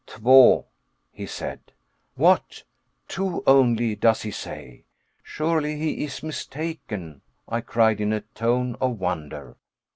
"Tva," he said. "What two only does he say. Surely he is mistaken," I cried in a tone of wonder.